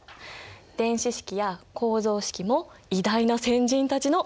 電子式や構造式も偉大な先人たちのアイデア！